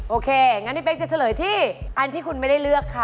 โอเคงั้นพี่เป๊กจะเฉลยที่อันที่คุณไม่ได้เลือกค่ะ